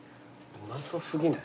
うまそう過ぎない？